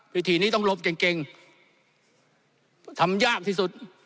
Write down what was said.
วิธีนี้ต้องลบเก่งทำยากที่สุด